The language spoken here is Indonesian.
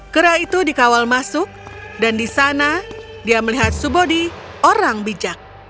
kera itu dikawal masuk dan di sana dia melihat subodi orang bijak